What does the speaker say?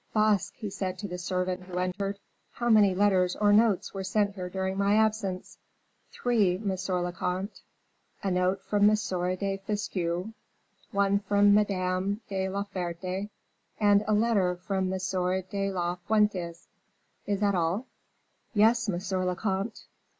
"Basque," he said to the servant who entered, "how many letters or notes were sent here during my absence?" "Three, monsieur le comte a note from M. de Fiesque, one from Madame de Laferte, and a letter from M. de las Fuentes." "Is that all?" "Yes, monsieur le comte."